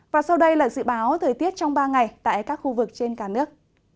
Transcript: và sau đây là dự báo thời tiết trong ba ngày tại các khu vực trên cả nước